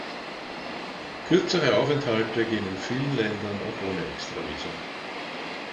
Kürzere Aufenthalte gehen in vielen Ländern auch ohne extra Visum.